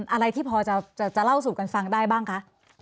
อะไรที่พอจะเล่าสู่กันฟังได้บ้างคะ